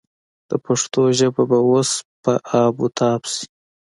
د پښتو ژبه به اوس په آب و تاب شي.